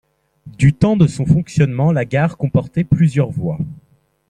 Du temps de son fonctionnement, la gare comportait plusieurs voies.